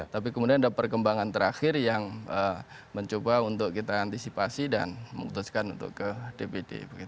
tapi kemudian ada perkembangan terakhir yang mencoba untuk kita antisipasi dan memutuskan untuk ke dpd